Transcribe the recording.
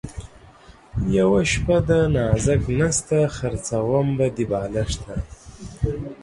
یوه شپه ده نازک نسته ـ خرڅوم به دې بالښته